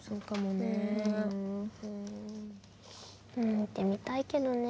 見てみたいけどね。